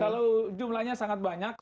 kalau jumlahnya sangat banyak